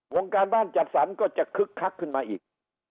วงการบ้านจัดสรรก็จะคึกคักขึ้นมาอีก